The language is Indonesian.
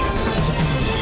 pemerintah dan pemerintah